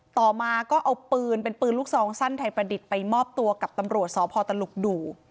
ต่อมาก็เอาปืนเป็นปืนลูกซองสั้นไทยประดิษฐ์ไปมอบตัวกับตำรวจสพตลุกดู